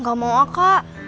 gak mau ah kak